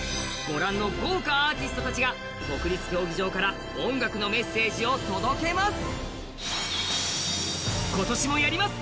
御覧の豪華アーティストたちが国立競技場から音楽のメッセージを届けます。